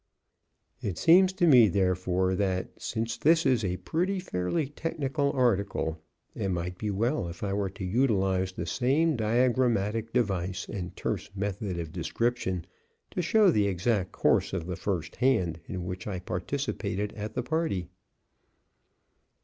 It seems to me, therefore, that, since this is a pretty fairly technical article, it might be well if I were to utilize the same diagrammatic device and terse method of description, to show the exact course of the first hand in which I participated at the party.